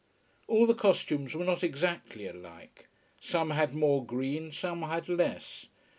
All the costumes were not exactly alike. Some had more green, some had less.